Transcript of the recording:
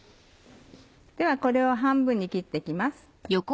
ではこれを半分に切って行きます。